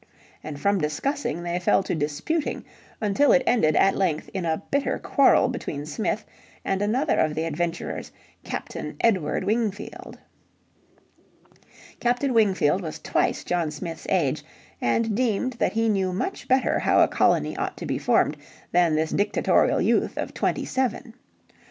And from discussing they fell to disputing until it ended at length in a bitter quarrel between Smith and another of the adventurers, Captain Edward Wingfield. Captain Wingfield was twice John Smith's age, and deemed that he knew much better how a colony ought to be formed than this dictatorial youth of twenty seven.